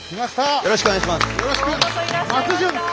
よろしくお願いします。